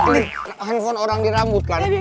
nih handphone orang dirambut kan